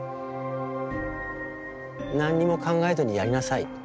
何にも考えずにやりなさい。